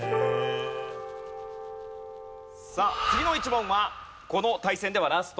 さあ次の１問はこの対戦ではラスト。